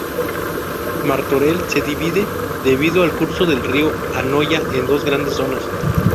Martorell se divide, debido al curso del río Anoia, en dos grandes zonas.